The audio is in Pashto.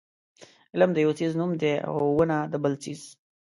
علم د یو څیز نوم دی او ونه د بل څیز.